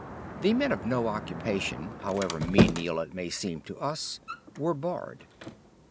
The men of no occupation, however menial it may seem to us, were barred.